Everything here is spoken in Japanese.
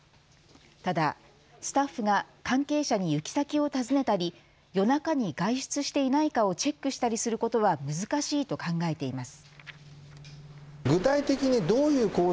ただ、スタッフが関係者に行き先を尋ねたり夜中に外出していないかをチェックしたりすることは難しいと考えています。